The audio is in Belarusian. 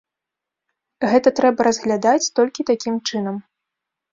Гэта трэба разглядаць толькі такім чынам.